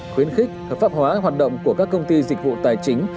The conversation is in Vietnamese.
khuyến khích hợp pháp hóa hoạt động của các công ty dịch vụ tài chính